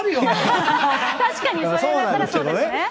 確かにそう言われたらそうですね。